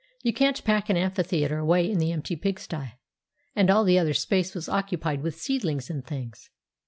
You can't pack an amphitheatre away in the empty pigsty, and all the other space was occupied with seedlings and things!